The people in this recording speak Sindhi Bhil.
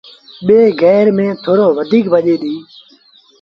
ٻي گير ميݩ ٿورو وڌيڪ ڀڄي دو۔